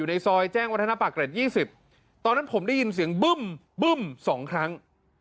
ในซอยแจ้งวัฒนปากเกร็ด๒๐ตอนนั้นผมได้ยินเสียงบึ้ม๒ครั้ง